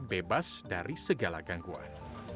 bebas dari segala gangguan